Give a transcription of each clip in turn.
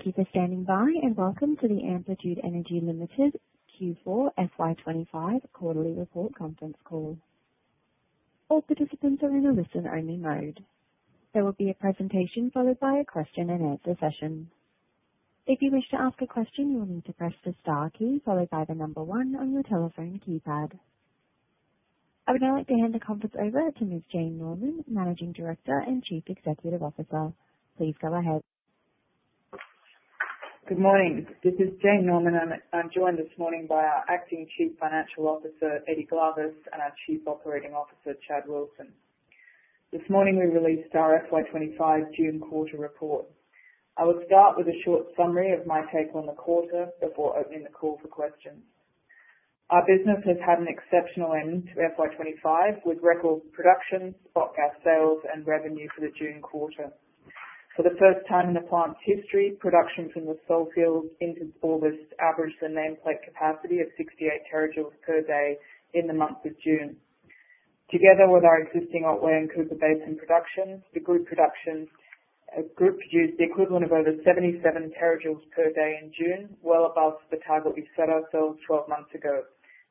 Thank you for standing by and welcome to the Amplitude Energy Limited Q4 FY25 quarterly report conference call. All participants are in a listen-only mode. There will be a presentation followed by a question and answer session. If you wish to ask a question, you will need to press the star key followed by the number one on your telephone keypad. I would now like to hand the conference over to Ms. Jane Norman, Managing Director and Chief Executive Officer. Please go ahead. Good morning. This is Jane Norman. I'm joined this morning by our Acting Chief Financial Officer, Eddy Glavas, and our Chief Operating Officer, Chad Wilson. This morning we released our FY25 June quarter report. I will start with a short summary of my take on the quarter before opening the call for questions. Our business has had an exceptional end to FY25 with record productions, spot gas sales, and revenue for the June quarter. For the first time in the plant's history, production from the soil fields into August averaged the nameplate capacity of 68 TJ per day in the month of June. Together with our existing Otway and Cooper Basin productions, the group production produced the equivalent of over 77 TJ per day in June, well above the target we set ourselves 12 months ago,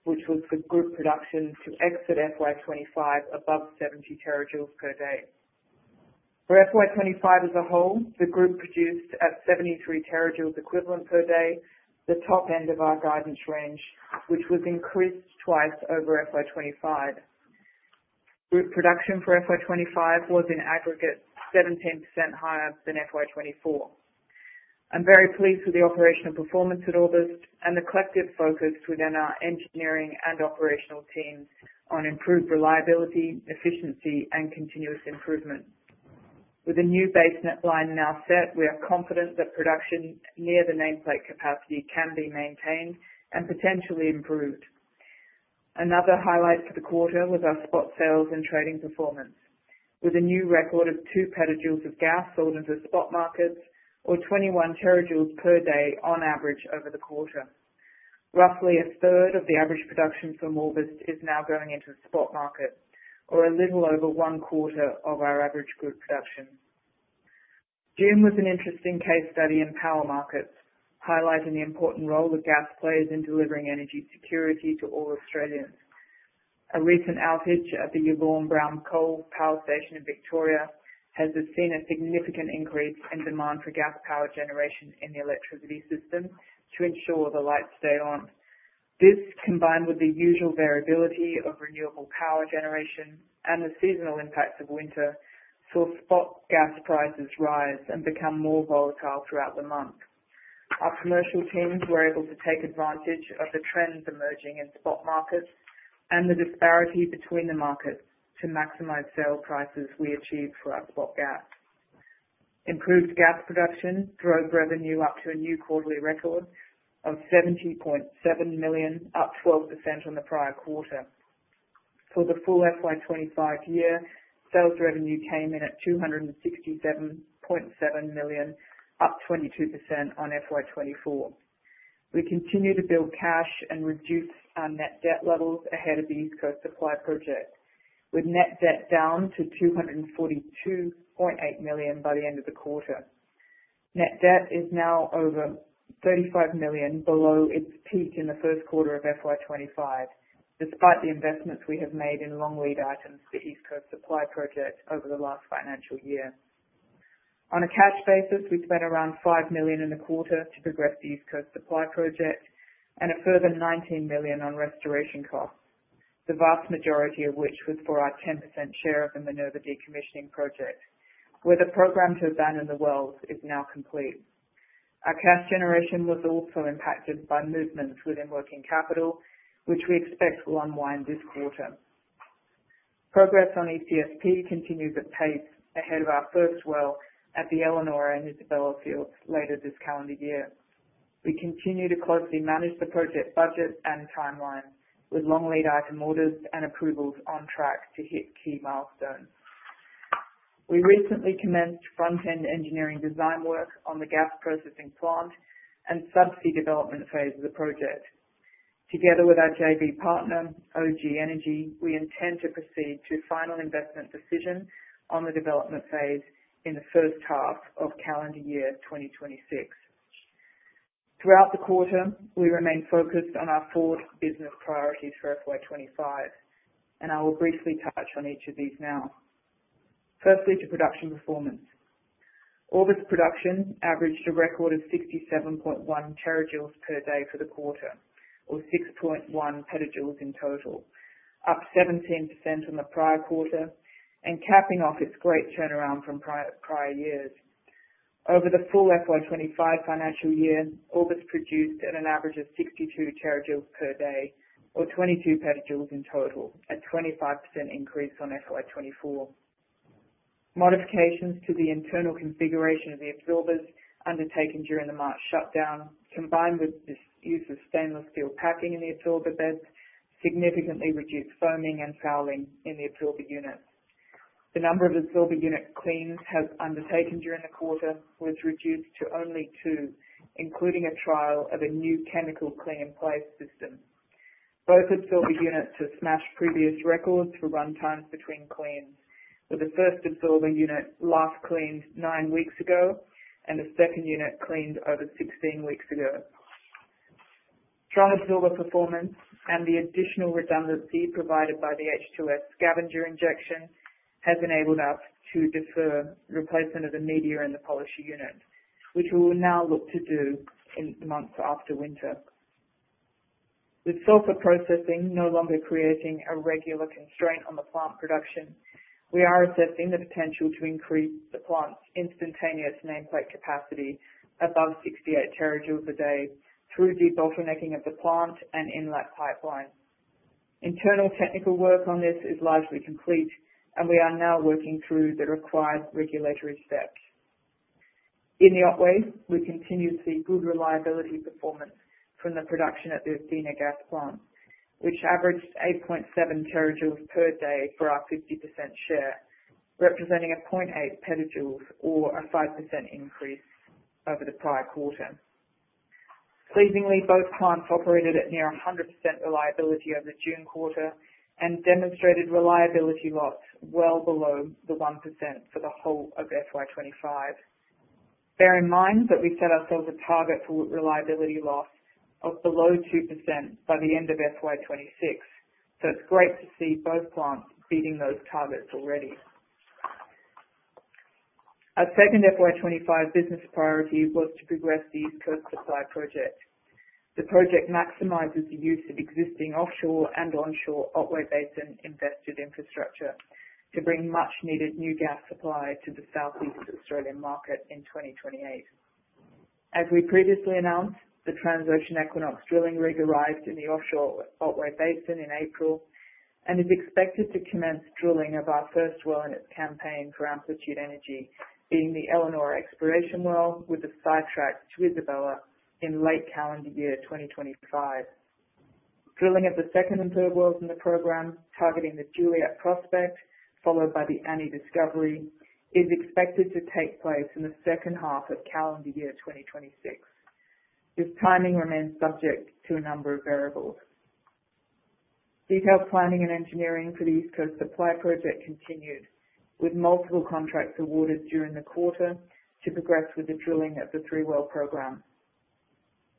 which was for group production to exit FY25 above 70 TJ per day. For FY25 as a whole, the group produced at 73 TJ equivalent per day, the top end of our guidance range, which was increased twice over FY25. Group production for FY25 was in aggregate 17% higher than FY24. I'm very pleased with the operational performance at August and the collective focus within our engineering and operational teams on improved reliability, efficiency, and continuous improvement. With a new base net line now set, we are confident that production near the nameplate capacity can be maintained and potentially improved. Another highlight for the quarter was our spot sales and trading performance, with a new record of 2 PJ of gas sold into spot markets, or 21 TJ per day on average over the quarter. Roughly a third of the average production from August is now going into the spot market, or a little over one quarter of our average group production. June was an interesting case study in power markets, highlighting the important role that gas plays in delivering energy security to all Australians. A recent outage at the Yvonne Brown Coal Power Station in Victoria has seen a significant increase in demand for gas power generation in the electricity system to ensure the lights stay on. This, combined with the usual variability of renewable power generation and the seasonal impacts of winter, saw spot gas prices rise and become more volatile throughout the month. Our commercial teams were able to take advantage of the trends emerging in spot markets and the disparity between the markets to maximize sale prices we achieved for our spot gas. Improved gas production drove revenue up to a new quarterly record of $70.7 million, up 12% on the prior quarter. For the full FY25 year, sales revenue came in at $267.7 million, up 22% on FY24. We continue to build cash and reduce our net debt levels ahead of the East Coast Supply Project, with net debt down to $242.8 million by the end of the quarter. Net debt is now over $35 million below its peak in the first quarter of FY25, despite the investments we have made in long-lead items for the East Coast Supply Project over the last financial year. On a cash basis, we spent around $5 million in the quarter to progress the East Coast Supply Project and a further $19 million on restoration costs, the vast majority of which was for our 10% share of the Minerva decommissioning project, where the program to abandon the wells is now complete. Our cash generation was also impacted by movements within working capital, which we expect will unwind this quarter. Progress on ECSP continues at pace ahead of our first well at the Eleanor and Isabella fields later this calendar year. We continue to closely manage the project budget and timeline, with long-lead item orders and approvals on track to hit key milestones. We recently commenced front-end engineering design work on the gas processing plant and subsea development phase of the project. Together with our JV partner, OG Energy, we intend to proceed to a final investment decision on the development phase in the first half of calendar year 2026. Throughout the quarter, we remain focused on our four business priorities for FY25, and I will briefly touch on each of these now. Firstly, to production performance. August production averaged a record of 67.1 TJ per day for the quarter, or 6.1 PJ in total, up 17% from the prior quarter and capping off its great turnaround from prior years. Over the full FY25 financial year, August produced at an average of 62 TJ per day, or 22 PJ in total, a 25% increase on FY24. Modifications to the internal configuration of the absorbers undertaken during the March shutdown, combined with the use of stainless steel packing in the absorber beds, significantly reduced foaming and fouling in the absorber units. The number of absorber unit cleans undertaken during the quarter was reduced to only two, including a trial of a new chemical clean-in-place system. Both absorber units have smashed previous records for runtimes between cleans, with the first absorber unit last cleaned nine weeks ago and the second unit cleaned over 16 weeks ago. Strong absorber performance and the additional redundancy provided by the H2S scavenger injection have enabled us to defer replacement of the media in the polisher unit, which we will now look to do in the months after winter. With sulfur processing no longer creating a regular constraint on the plant production, we are assessing the potential to increase the plant's instantaneous nameplate capacity above 68 TJ a day through debolting of the plant and inlet pipelines. Internal technical work on this is largely complete, and we are now working through the required regulatory steps. In the Otway, we continue to see good reliability performance from the production at the Athena Gas Plant, which averaged 8.7 tTJ per day for our 50% share, representing 0.8 PJ, or a 5% increase over the prior quarter. Pleasingly, both plants operated at near 100% reliability over the June quarter and demonstrated reliability loss well below 1% for the whole of FY25. Bear in mind that we set ourselves a target for reliability loss of below 2% by the end of FY26, so it's great to see both plants beating those targets already. Our second FY25 business priority was to progress the East Coast Supply Project. The project maximizes the use of existing offshore and onshore Otway Basin invested infrastructure to bring much-needed new gas supply to the Southeast Australian market in 2028. As we previously announced, the TransOcean Equinox drilling rig arrived in the offshore Otway Basin in April and is expected to commence drilling of our first well in its campaign for Amplitude Energy, being the Eleanor Expiration Well, with a side track to Isabella in late calendar year 2025. Drilling of the second and third wells in the program, targeting the Juliet Prospect, followed by the Annie Discovery, is expected to take place in the second half of calendar year 2026. This timing remains subject to a number of variables. Detailed planning and engineering for the East Coast Supply Project continued, with multiple contracts awarded during the quarter to progress with the drilling of the three-well program.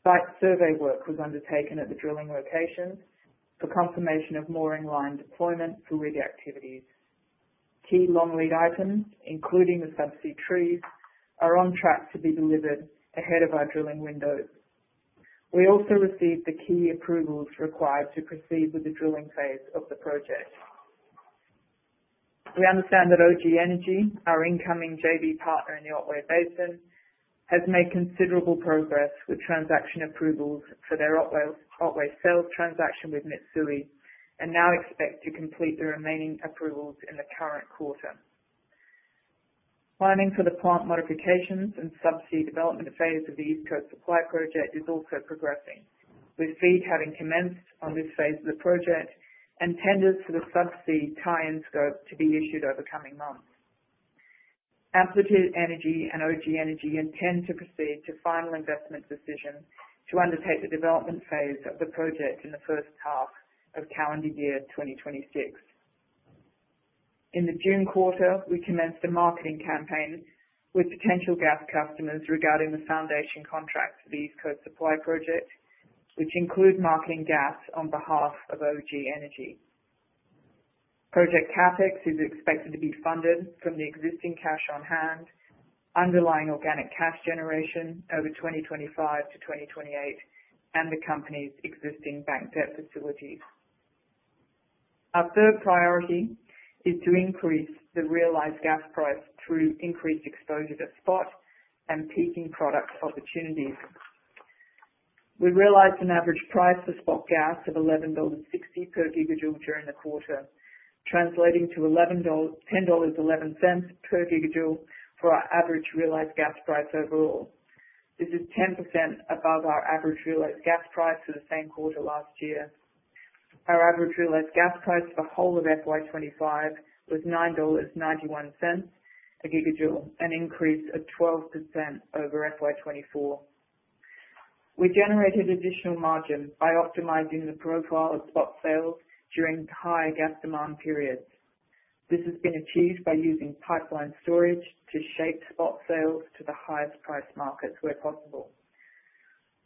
Site survey work was undertaken at the drilling locations for confirmation of mooring line deployment for rig activities. Key long-lead items, including the subsea trees, are on track to be delivered ahead of our drilling windows. We also received the key approvals required to proceed with the drilling phase of the project. We understand that OG Energy, our incoming JV partner in the Otway Basin, has made considerable progress with transaction approvals for their Otway sales transaction with Mitsui and now expects to complete the remaining approvals in the current quarter. Planning for the plant modifications and subsea development phase of the East Coast Supply Project is also progressing, with FEED having commenced on this phase of the project and tenders for the subsea tie-in scope to be issued over the coming months. Amplitude Energy and OG Energy intend to proceed to final investment decision to undertake the development phase of the project in the first half of calendar year 2026. In the June quarter, we commenced a marketing campaign with potential gas customers regarding the foundation contracts for the East Coast Supply Project, which include marketing gas on behalf of OG Energy. Project CapEx is expected to be funded from the existing cash on hand, underlying organic cash generation over 2025-2028, and the company's existing bank debt facilities. Our third priority is to increase the realized gas price through increased exposure to spot and peaking product opportunities. We realized an average price for spot gas of $11.60 per GJ during the quarter, translating to $10.11 per gigajoule for our average realized gas price overall. This is 10% above our average realized gas price for the same quarter last year. Our average realized gas price for the whole of FY25 was $9.91 a gigajoule, an increase of 12% over FY24. We generated additional margin by optimizing the profile of spot sales during higher gas demand periods. This has been achieved by using pipeline storage to shape spot sales to the highest price markets where possible.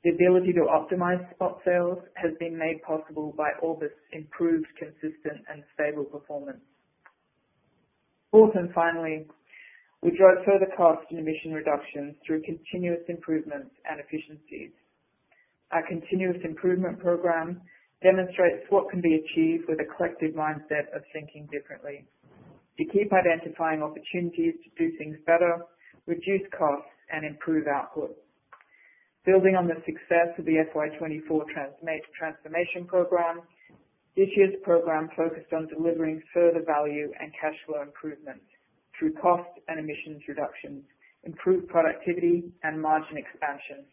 The ability to optimize spot sales has been made possible by August's improved consistent and stable performance. Fourth and finally, we drove further cost and emission reductions through continuous improvements and efficiencies. Our continuous improvement program demonstrates what can be achieved with a collective mindset of thinking differently. We keep identifying opportunities to do things better, reduce costs, and improve output. Building on the success of the FY24 transformation program, this year's program focused on delivering further value and cash flow improvements through cost and emissions reductions, improved productivity, and margin expansion.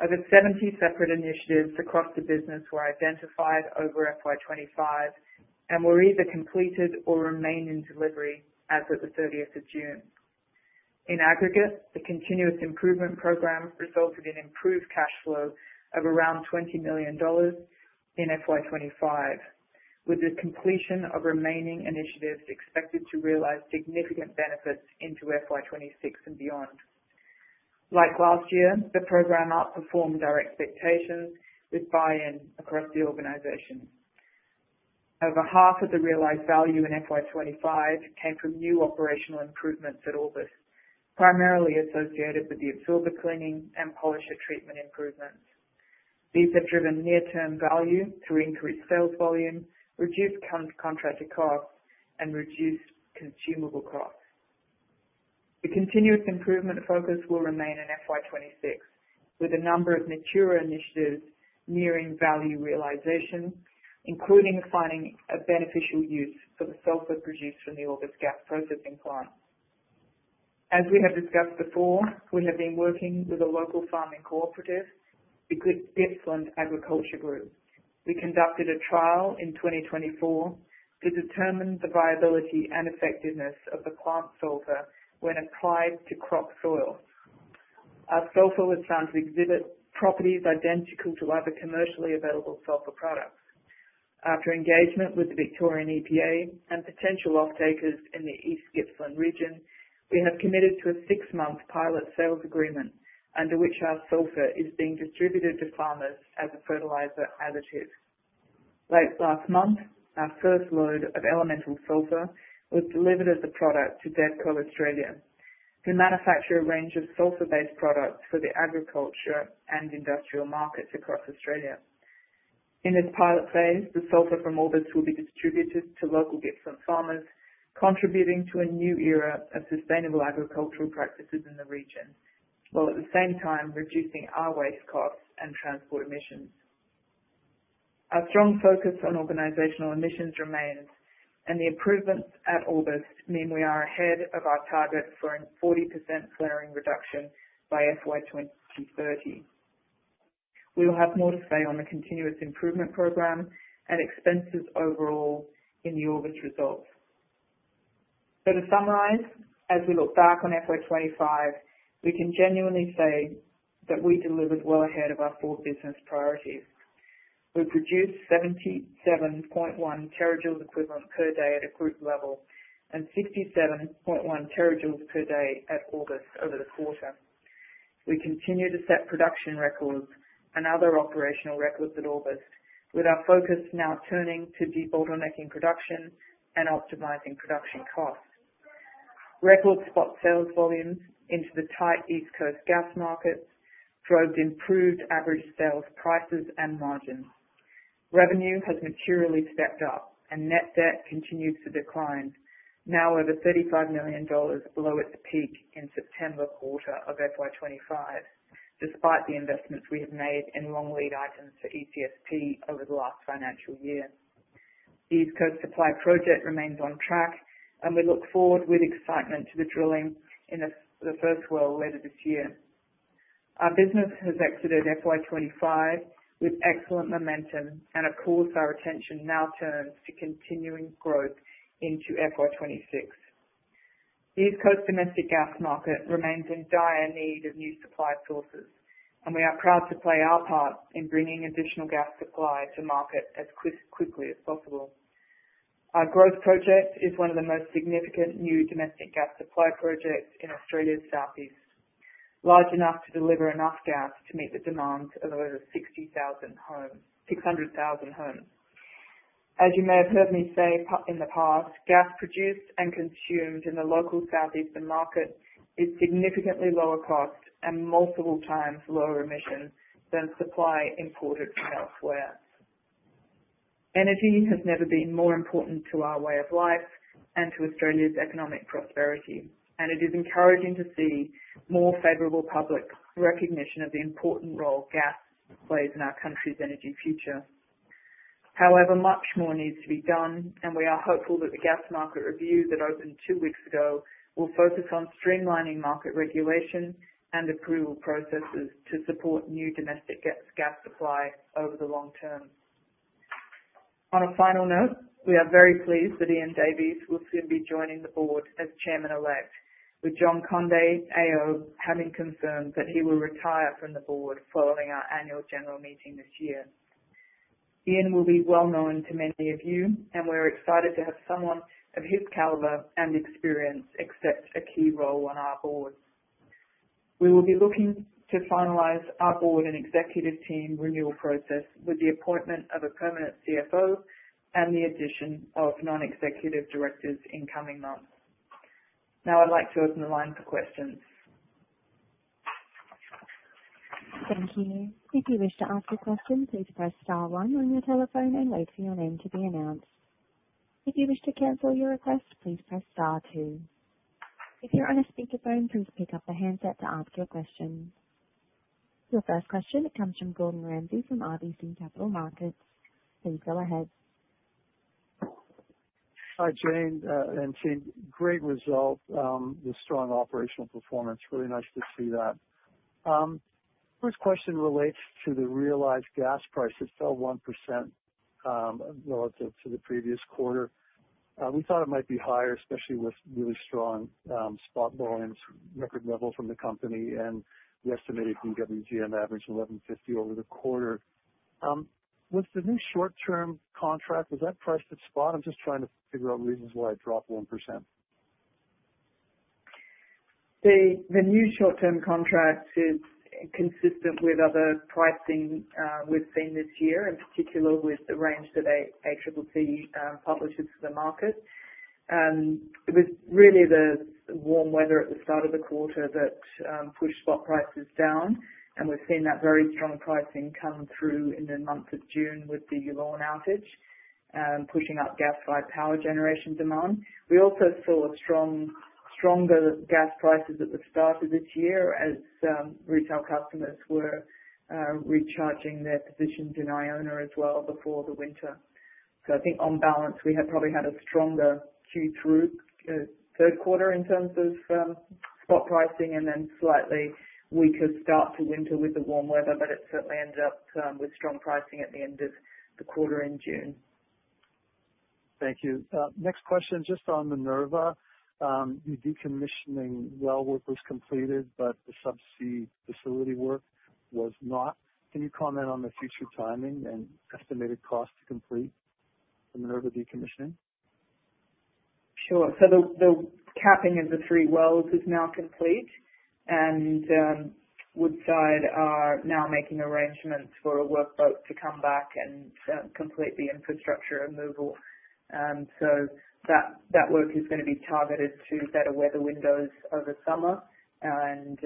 Over 70 separate initiatives across the business were identified over FY25 and were either completed or remain in delivery as of the 30th of June. In aggregate, the continuous improvement program resulted in improved cash flow of around $20 million in FY25, with the completion of remaining initiatives expected to realize significant benefits into FY26 and beyond. Like last year, the program outperformed our expectations with buy-in across the organization. Over half of the realized value in FY25 came from new operational improvements at August, primarily associated with the absorber cleaning and polisher treatment improvements. These have driven near-term value through increased sales volume, reduced contracted costs, and reduced consumable costs. The continuous improvement focus will remain in FY26, with a number of mature initiatives nearing value realization, including finding a beneficial use for the sulfur produced from the August gas processing plant. As we have discussed before, we have been working with a local farming cooperative, the Gippsland Agriculture Group. We conducted a trial in 2024 to determine the viability and effectiveness of the plant sulfur when applied to crop soil. Our sulfur was found to exhibit properties identical to other commercially available sulfur products. After engagement with the Victorian EPA and potential off-takers in the East Gippsland region, we have committed to a six-month pilot sales agreement under which our sulfur is being distributed to farmers as a fertilizer additive. Late last month, our first load of elemental sulfur was delivered as a product to DEVCO Australia, who manufacture a range of sulfur-based products for the agriculture and industrial markets across Australia. In this pilot phase, the sulfur from August will be distributed to local Gippsland farmers, contributing to a new era of sustainable agricultural practices in the region, while at the same time reducing our waste costs and transport emissions. Our strong focus on organizational emissions remains, and the improvements at August mean we are ahead of our target for a 40% flaring reduction by FY2030. We will have more to say on the continuous improvement program and expenses overall in the August results. To summarize, as we look back on FY25, we can genuinely say that we delivered well ahead of our four business priorities. We produced 77.1 TJ equivalent per day at a group level and 67.1 TJ per day at August over the quarter. We continue to set production records and other operational records at August, with our focus now turning to debolting production and optimizing production costs. Record spot sales volumes into the tight East Coast gas markets drove improved average sales prices and margins. Revenue has materially stepped up, and net debt continues to decline, now over $35 million below its peak in the September quarter of FY25, despite the investments we have made in long-lead items for the East Coast Supply Project over the last financial year. The East Coast Supply Project remains on track, and we look forward with excitement to the drilling in the first well later this year. Our business has exited FY25 with excellent momentum, and of course, our attention now turns to continuing growth into FY26. The East Coast domestic gas market remains in dire need of new supply sources, and we are proud to play our part in bringing additional gas supply to market as quickly as possible. Our growth project is one of the most significant new domestic gas supply projects in Australia's Southeast, large enough to deliver enough gas to meet the demands of over 60,000 homes. As you may have heard me say in the past, gas produced and consumed in the local Southeastern market is significantly lower cost and multiple times lower emission than supply imported from elsewhere. Energy has never been more important to our way of life and to Australia's economic prosperity, and it is encouraging to see more favorable public recognition of the important role gas plays in our country's energy future. However, much more needs to be done, and we are hopeful that the gas market review that opened two weeks ago will focus on streamlining market regulation and approval processes to support new domestic gas supply over the long term. On a final note, we are very pleased that Ian Davies will soon be joining the board as Chairman-elect, with John Conde AO having confirmed that he will retire from the board following our annual general meeting this year. Ian will be well known to many of you, and we're excited to have someone of his caliber and experience accept a key role on our board. We will be looking to finalize our board and executive team renewal process with the appointment of a permanent CFO and the addition of non-executive directors in coming months. Now I'd like to open the line for questions. Thank you. If you wish to ask a question, please press star one on your telephone and wait for your name to be announced. If you wish to cancel your request, please press star two. If you're on a speaker phone, please pick up the handset to ask your question. Your first question comes from Gordon Ramsay from RBC Capital Markets. Please go ahead. Hi, Jane. Seeing great results, the strong operational performance, really nice to see that. First question relates to the realized gas price. It fell 1% relative to the previous quarter. We thought it might be higher, especially with really strong spot volumes, record level from the company, and the estimated BWGM average $11.50 over the quarter. With the new short-term contract, is that priced at spot? I'm just trying to figure out reasons why it dropped 1%. The new short-term contract is consistent with other pricing we've seen this year, in particular with the range that ACCC publishes to the market. It was really the warm weather at the start of the quarter that pushed spot prices down, and we've seen that very strong pricing come through in the month of June with the Yvonne outage pushing up gas-fired power generation demand. We also saw stronger gas prices at the start of this year as retail customers were recharging their positions in Iona as well before the winter. I think on balance, we had probably had a stronger Q3 third quarter in terms of spot pricing and then slightly weaker start to winter with the warm weather, but it certainly ended up with strong pricing at the end of the quarter in June. Thank you. Next question just on Minerva. The decommissioning well work was completed, but the subsea facility work was not. Can you comment on the future timing and estimated cost to complete the Minerva decommissioning? Sure. The capping of the three wells is now complete, and Woodside are now making arrangements for a workboat to come back and complete the infrastructure removal. That work is going to be targeted to better weather windows over summer, and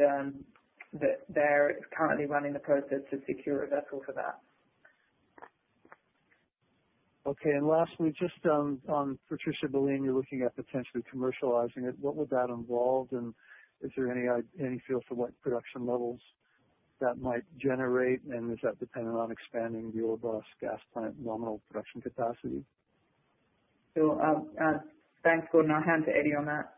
they're currently running the process to secure a vessel for that. Okay. Lastly, just on Patricia Baleen, you're looking at potentially commercializing it. What would that involve, and is there any feel for what production levels that might generate, and is that dependent on expanding the Orbost plant nominal production capacity? Thank you, Gordon. I'll hand to Eddy on that.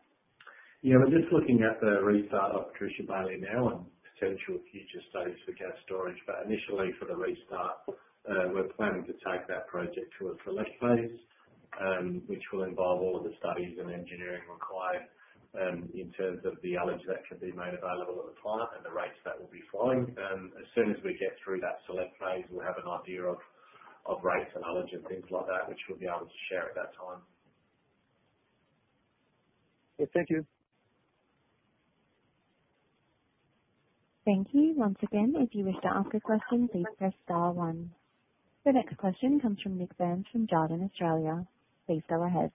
Yeah, we're just looking at the restart of the Patricia Baleen project now and potential future studies for gas storage. For the restart, we're planning to take that project to a select phase, which will involve all of the studies and engineering required, in terms of the outage that can be made available at the plant and the rates that will be flowing. As soon as we get through that select phase, we'll have an idea of rates and outage and things like that, which we'll be able to share at that time. Okay, thank you. Thank you. Once again, if you wish to ask a question, please press star one. The next question comes from Nik Burns from Jarden, Australia. Please go ahead.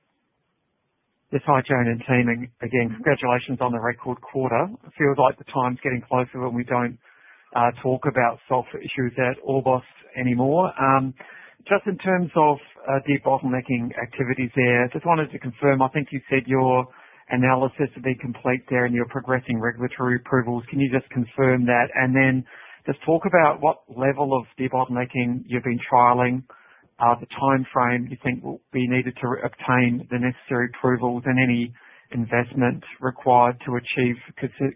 Yes. Hi, Jane and team again. Congratulations on the record quarter. It feels like the time's getting closer when we don't talk about sulfur issues at Orbost anymore. Just in terms of debolting activities there, I just wanted to confirm, I think you said your analysis would be complete there and you're progressing regulatory approvals. Can you just confirm that? Can you talk about what level of debolting you've been trialing, the timeframe you think will be needed to obtain the necessary approvals, and any investment required to achieve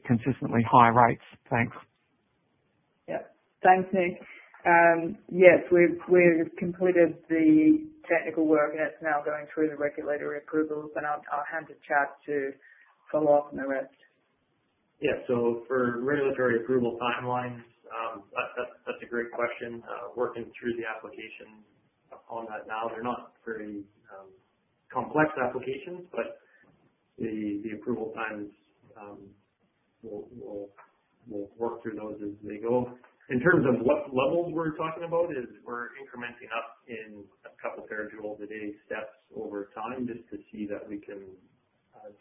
consistently high rates? Thanks. Yep. Thank you. Yes, we've completed the technical work, and it's now going through the regulatory approvals. I'll hand it to Chad to follow up on the rest. Yeah. For regulatory approval timelines, that's a great question. Working through the application on that now. They're not very complex applications, but the approval times, we'll work through those as they go. In terms of what level we're talking about, we're incrementing up in a couple of TJs a day steps over time just to see that we can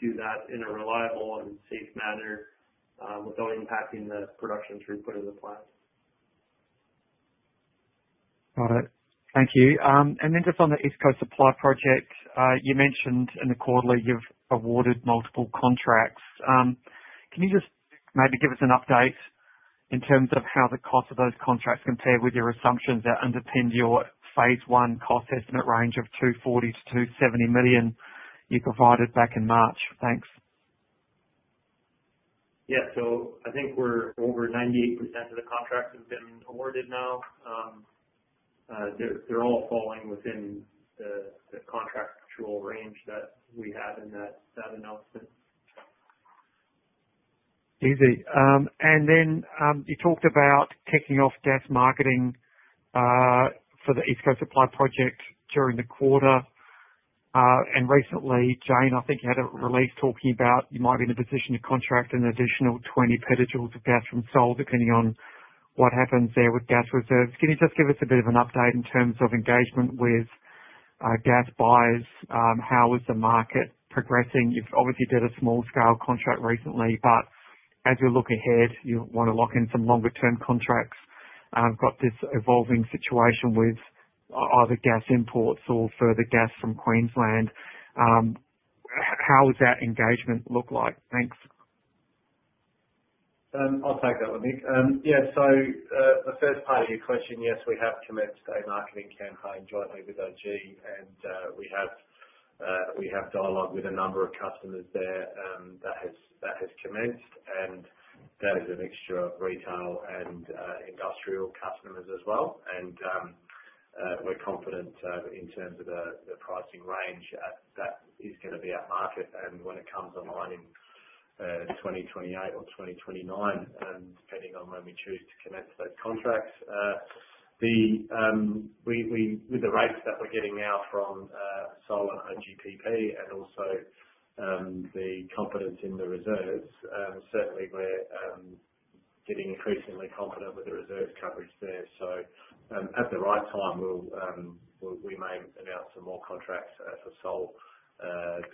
do that in a reliable and safe manner, without impacting the production throughput of the plant. Got it. Thank you. Just on the East Coast Supply Project, you mentioned in the quarterly you've awarded multiple contracts. Can you just maybe give us an update in terms of how the cost of those contracts compare with your assumptions that underpin your phase one cost estimate range of $240 to $270 million you provided back in March? Thanks. I think we're over 98% of the contracts have been awarded now. They're all falling within the contract range that we had in that announcement. Easy. You talked about ticking off gas marketing for the East Coast Supply Project during the quarter. Recently, Jane, I think you had a release talking about you might be in a position to contract an additional 20 PTs of gas from Seoul, depending on what happens there with gas reserves. Can you just give us a bit of an update in terms of engagement with gas buyers? How is the market progressing? You've obviously did a small-scale contract recently, but as we look ahead, you want to lock in some longer-term contracts. I've got this evolving situation with either gas imports or further gas from Queensland. How does that engagement look like? Thanks. I'll take that one. Nik, yeah. The first part of your question, yes, we have commenced a marketing campaign jointly with OG Energy, and we have dialogue with a number of customers there that has commenced, and that is a mixture of retail and industrial customers as well. We're confident, in terms of the pricing range, that is going to be at market. When it comes online in 2028 or 2029, depending on when we choose to commence those contracts, with the rates that we're getting now from Seoul and OGPP and also the confidence in the reserves, certainly, we're getting increasingly confident with the reserves coverage there. At the right time, we may announce some more contracts for Seoul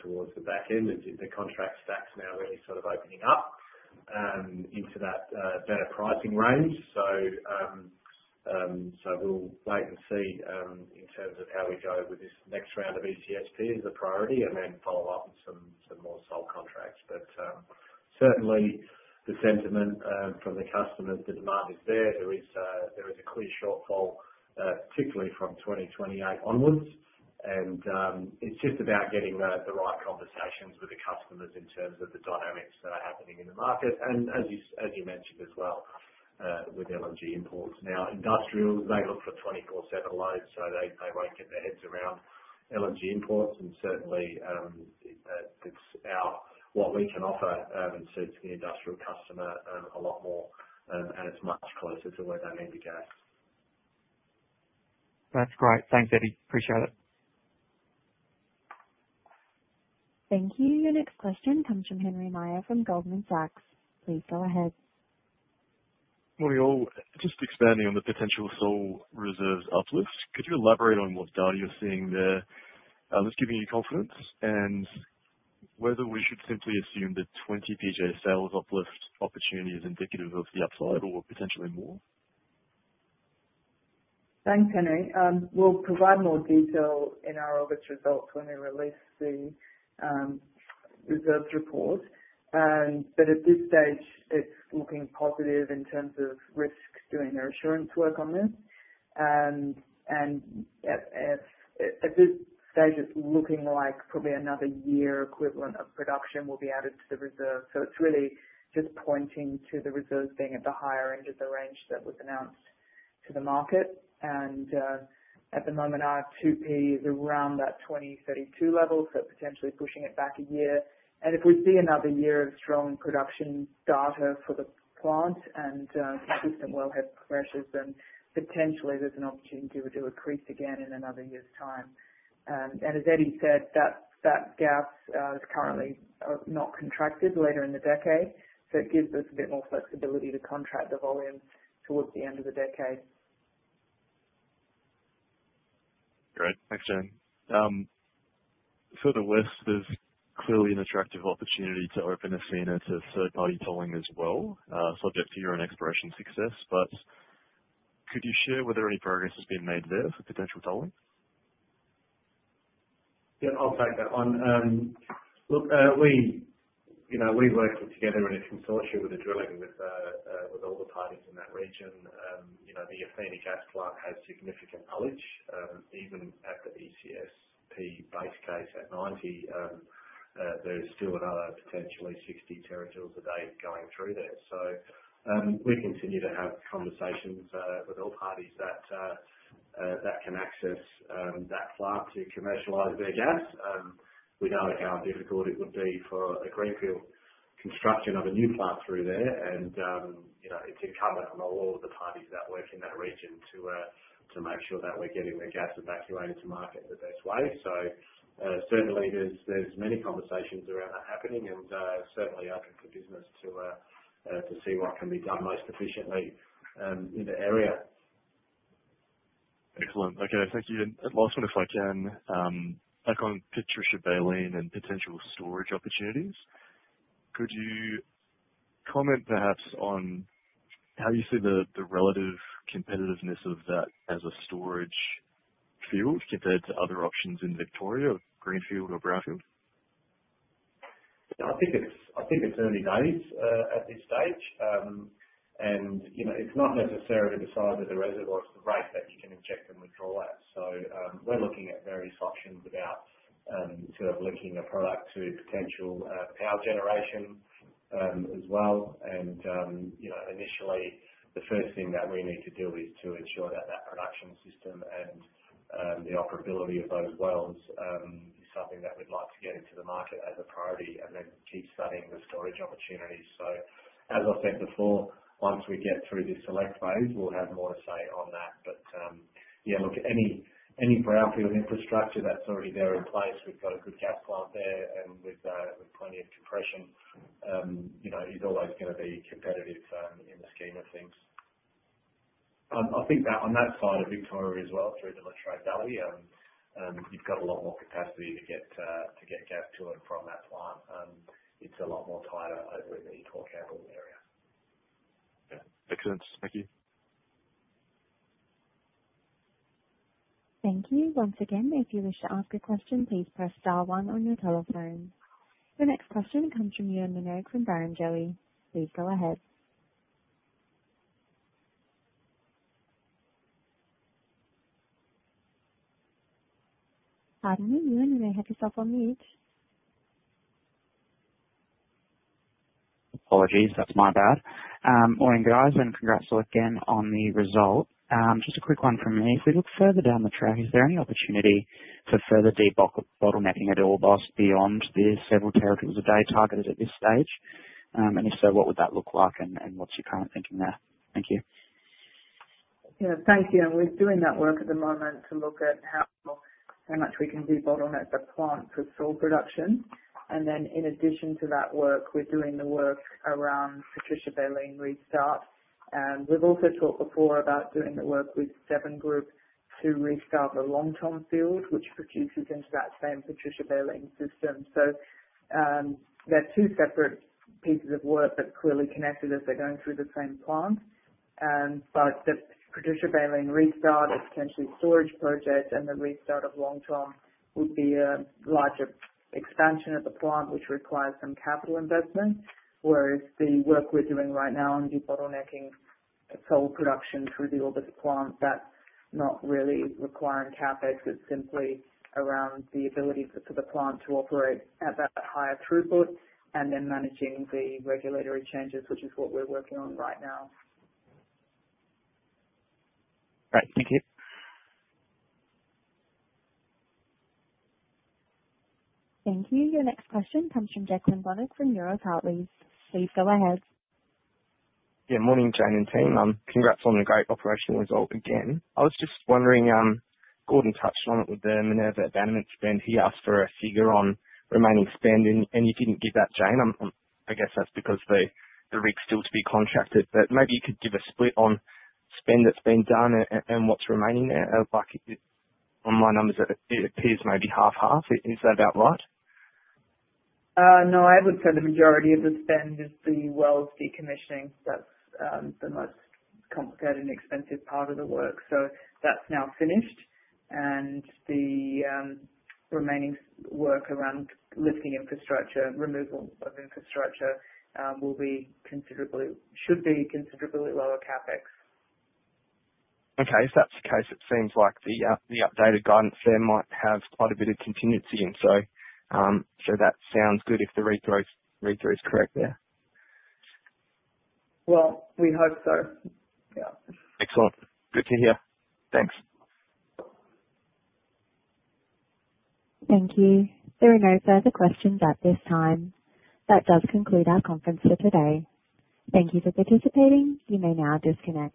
towards the back end as the contract stacks now really sort of opening up into that better pricing range. We'll wait and see, in terms of how we go with this next round of East Coast Supply Project as a priority and then follow up with some more Seoul contracts. Certainly, the sentiment from the customers, the demand is there. There is a clear shortfall, particularly from 2028 onwards. It's just about getting the right conversations with the customers in terms of the dynamics that are happening in the market and, as you mentioned as well, with LNG imports. Now, industrials, they look for 24/7 loads, so they won't get their heads around LNG imports. Certainly, it's what we can offer, and suits the industrial customer a lot more, and it's much closer to where they need to go. That's great. Thanks, Eddy. Appreciate it. Thank you. Your next question comes from Henry Meyer from Goldman Sachs. Please go ahead. Morning, all. Just expanding on the potential reserves uplift, could you elaborate on what data you're seeing there that's giving you confidence, and whether we should simply assume that 20 PJ sales uplift opportunity is indicative of the upside or potentially more? Thanks, Henry. We'll provide more detail in our August results when we release the reserves report. At this stage, it's looking positive in terms of risks doing their assurance work on this. At this stage, it's looking like probably another year equivalent of production will be added to the reserve. It's really just pointing to the reserves being at the higher end of the range that was announced to the market. At the moment, our 2P is around that 2032 level, so potentially pushing it back a year. If we see another year of strong production data for the plant and consistent wellhead pressures, then potentially there's an opportunity to do a crease again in another year's time. As Eddy said, that gap is currently not contracted later in the decade, so it gives us a bit more flexibility to contract the volume towards the end of the decade. Great. Thanks, Jane. The west is clearly an attractive opportunity to open a scene to third-party tolling as well, subject to your exploration success. Could you share whether any progress has been made there for potential tolling? Yeah, I'll take that one. Look, we work together in a consortium with drilling with all the parties in that region. You know, the Athena Gas Plant has significant outage, even at the ECSP base case at 90. There's still another potentially 60 TJs a day going through there. We continue to have conversations with all parties that can access that plant to commercialize their gas, without accounting for what it would be for a greenfield construction of a new plant through there. It's incumbent on all of the parties that work in that region to make sure that we're getting their gas evacuated to market in the best way. Certainly, there's many conversations around that happening and certainly open for business to see what can be done most efficiently in the area. Excellent. Okay. Thank you. Last one, if I can, back on Patricia Baleen and potential storage opportunities. Could you comment perhaps on how you see the relative competitiveness of that as a storage field compared to other options in Victoria, Greenfield or Brownfield? Yeah, I think it's early days at this stage. You know, it's not necessarily the size of the reservoirs, it's the rate that you can inject and withdraw at. We're looking at various options about linking a product to potential power generation as well. Initially, the first thing that we need to do is to ensure that that production system and the operability of those wells is something that we'd like to get into the market as a priority and then keep studying the storage opportunities. As I said before, once we get through this select phase, we'll have more to say on that. Any Brownfield infrastructure that's already there in place, we've got a good gas plant there with plenty of compression, is always going to be competitive in the scheme of things. I think that on that side of Victoria as well, through the Latrobe Valley, you've got a lot more capacity to get gas to and from that plant. It's a lot more tighter over in the Etoile Campbell area. Excellent. Thank you. Thank you. Once again, if you wish to ask a question, please press star one on your telephone. The next question comes from Uwan Minogue from Barrenjoey. Please go ahead. Hi to you, Uwan. You may have yourself on mute. Apologies. That's my bad. Morning, guys, and congrats to work again on the result. Just a quick one from me. If we look further down the track, is there any opportunity for further debottling at Orbost beyond the several TJs a day targeted at this stage? If so, what would that look like and what's your current thinking there? Thank you. Thank you. We're doing that work at the moment to look at how much we can debolt at the plant for sulfur production. In addition to that work, we're doing the work around Patricia Baleen and restart. We've also talked before about doing the work with Seven Group to restart the Longtom field, which produces into that same Patricia Baleen system. They're two separate pieces of work that are clearly connected as they're going through the same plant. The Patricia Baleen and restart of potentially storage projects and the restart of Longtom would be a larger expansion of the plant, which requires some capital investment. Whereas the work we're doing right now on debolting at sulfur production through the Orbost plant, that's not really requiring CapEx.It's simply around the ability for the plant to operate at that higher throughput and then managing the regulatory changes, which is what we're working on right now. Right. Thank you. Thank you. Your next question comes from Declan Bonnick from Euroz Hartleys. Please go ahead. Yeah. Morning, Jane and team. Congrats on the great operational result again. I was just wondering, Gordon touched on it with the Minerva abandonment spend. He asked for a figure on remaining spend, and you didn't give that, Jane. I guess that's because the rig's still to be contracted. Maybe you could give a split on spend that's been done and what's remaining there. Like on my numbers, it appears maybe half-half. Is that about right? No, I would say the majority of the spend is the wells decommissioning. That's the most complicated and expensive part of the work. That's now finished. The remaining work around lifting infrastructure, removal of infrastructure, will be considerably lower CapEx. Okay. If that's the case, it seems like the updated guidance there might have quite a bit of contingency. That sounds good if the redraw is correct there. We hope so. Yeah. Excellent. Good to hear. Thanks. Thank you. There are no further questions at this time. That does conclude our conference for today. Thank you for participating. You may now disconnect.